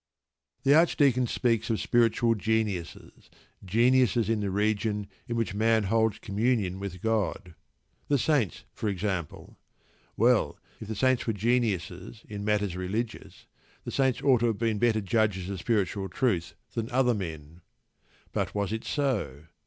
The archdeacon speaks of spiritual geniuses, "geniuses in the region in which man holds communion with God." The Saints, for example. Well, if the Saints were geniuses in matters religious, the Saints ought to have been better judges of spiritual truth than other men. But was it so?